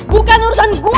bukan urusan gue